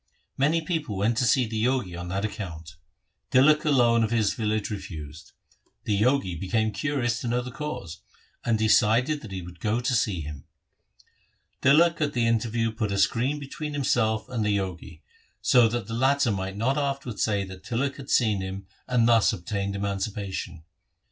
Many persons went to see the Jogi on that account Tilak alone of his village refused. The Jogi became curious to know the cause, and decided that he would go to see him. Tilak at the interview put a screen between himself and the Jogi, so that the latter might not afterwards say that Tilak had seen him and thus obtained emancipation.